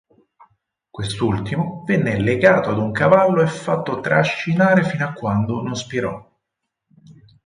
Quest'ultimo venne legato ad un cavallo e fatto trascinare fino a quando non spirò.